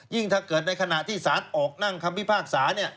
ยิ่งถ้าเกิดในขณะที่สารออกนั่งคำพิพากษา